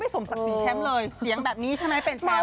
สมศักดิ์ศรีแชมป์เลยเสียงแบบนี้ใช่ไหมเป็นแชมป์